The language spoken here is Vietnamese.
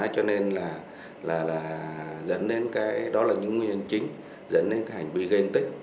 cho nên là dẫn đến những nguyên nhân chính dẫn đến hành vi gây tích